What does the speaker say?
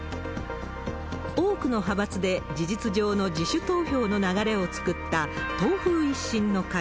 多くの派閥で事実上の自主投票の流れを作った党風一新の会。